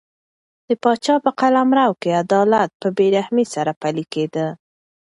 د پاچا په قلمرو کې عدالت په بې رحمۍ سره پلی کېده.